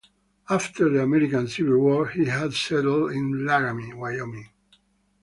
After the American Civil War, he had settled in Laramie, Wyoming.